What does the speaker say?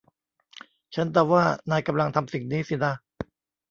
ฉันเดาว่านายกำลังทำสิ่งนี้สินะ